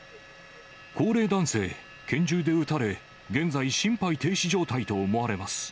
高齢男性、拳銃で撃たれ、現在、心肺停止状態と思われます。